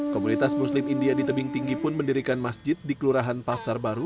komunitas muslim india di tebing tinggi pun mendirikan masjid di kelurahan pasar baru